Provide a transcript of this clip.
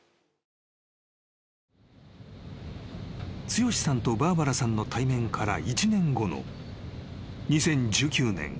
［剛志さんとバーバラさんの対面から１年後の］